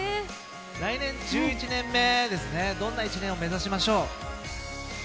来年１１年目ですね、どんな１年を目指しましょう。